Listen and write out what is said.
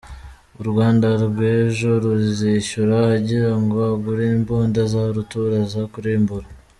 Urwandarwejo ruzishyura agira ngo agure imbunda za rutura zo kurimbura